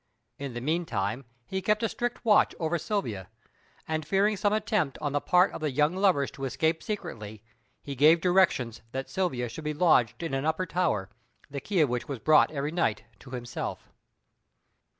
In the meanwhile he kept a strict watch over Silvia, and, fearing some attempt on the part of the young lovers to escape secretly, he gave directions that Silvia should be lodged in an upper tower, the key of which was brought every night to himself.